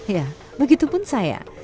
ya begitu pun saya